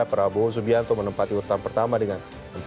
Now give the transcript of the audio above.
prabowo subianto menempati urutan pertama dengan empat puluh lima satu